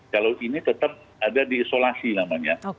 kalau ini tetap ada di isolasi namanya